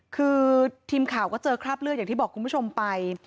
คือทีมข่าวก็เจอคราบเลือดอย่างที่บอกคุณผู้ชมไป